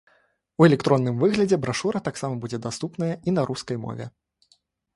У электронным выглядзе брашура таксама будзе даступная і на рускай мове.